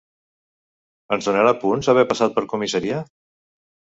Ens donarà punts, haver passat per comissaria?